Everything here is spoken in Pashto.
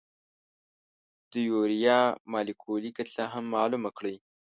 د یوریا مالیکولي کتله هم معلومه کړئ.